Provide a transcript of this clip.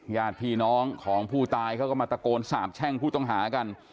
ญาติพี่น้องของผู้ตายเขาก็มาตะโกนสาบแช่งผู้ต้องหากัน